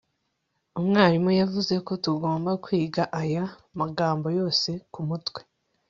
umwarimu yavuze ko tugomba kwiga aya magambo yose kumutwe